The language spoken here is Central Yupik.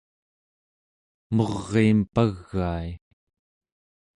muriim pagai